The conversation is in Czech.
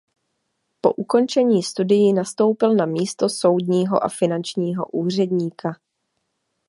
Po ukončení studií nastoupil na místo soudního a finančního úředníka.